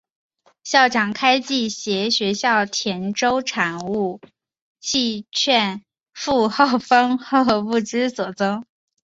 校长开济携学校田洲产物契券赴后方后不知所踪。